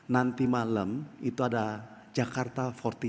nanti malam itu ada jakarta empat puluh